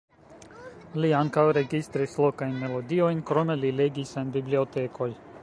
Li ankaŭ registris lokajn melodiojn, krome li legis en bibliotekoj.